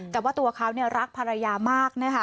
แต่ว่าตัวเขารักภรรยามากนะคะ